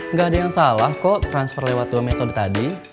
nggak ada yang salah kok transfer lewat dua metode tadi